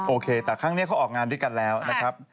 โอเคแต่ครั้งนี้เขาออกงานด้วยกันแล้วนะครับ